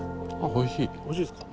おいしいですか。